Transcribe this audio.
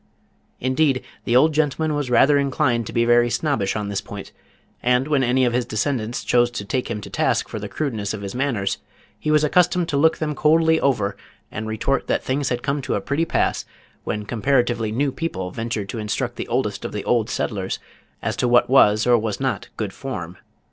Indeed the old gentleman was rather inclined to be very snobbish on this point, and when any of his descendants chose to take him to task for the crudeness of his manners he was accustomed to look them coldly over and retort that things had come to a pretty pass when comparatively new people ventured to instruct the oldest of the old settlers as to what was or was not good form.